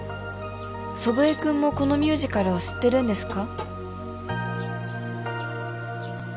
「祖父江君もこのミュージカルを知ってるんですか？」